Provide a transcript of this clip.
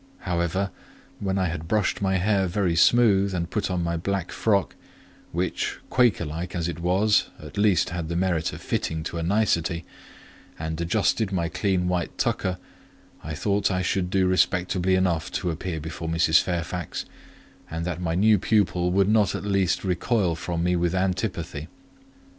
However, when I had brushed my hair very smooth, and put on my black frock—which, Quakerlike as it was, at least had the merit of fitting to a nicety—and adjusted my clean white tucker, I thought I should do respectably enough to appear before Mrs. Fairfax, and that my new pupil would not at least recoil from me with antipathy.